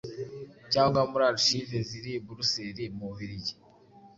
cyangwa muri archives ziri i Buruseli mu Bubiligi